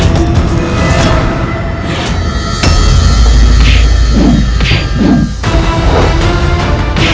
aku tidak bisa mengubah game